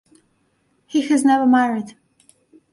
He has never married.